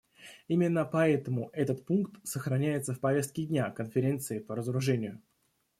Именно поэтому этот пункт сохраняется в повестке дня Конференции по разоружению.